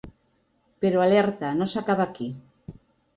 Però l’alerta no s’acaba aquí.